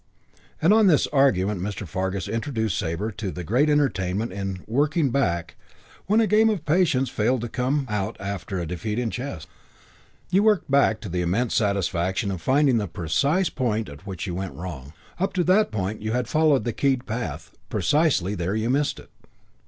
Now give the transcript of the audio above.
And on this argument Mr. Fargus introduced Sabre to the great entertainment in "working back" when a game of Patience failed to come out or after a defeat in chess. You worked back to the immense satisfaction of finding the precise point at which you went wrong. Up to that point you had followed the keyed path; precisely there you missed it.